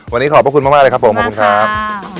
วันนี้ขอบพระคุณมากเลยครับผมขอบคุณครับ